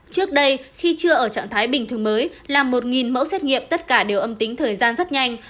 trước đây khi chưa ở trạng thái bình thường mới là một mẫu xét nghiệm tất cả đều âm tính thời gian rất nhanh